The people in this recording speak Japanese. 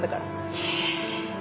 へえ！